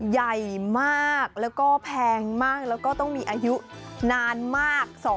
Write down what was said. ใหญ่มากแล้วก็แพงมากแล้วก็ต้องมีอายุนานมาก